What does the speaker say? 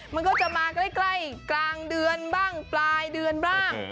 มันก็จะมาใกล้กลางเดือนบ้างปลายเดือนบ้าง